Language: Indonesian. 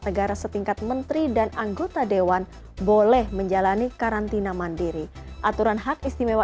negara setingkat menteri dan anggota dewan boleh menjalani karantina mandiri aturan hak istimewa